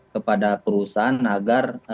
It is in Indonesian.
kepada perusahaan agar